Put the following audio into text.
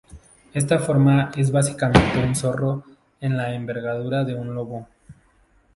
Esta forma es básicamente un zorro de la envergadura de un lobo.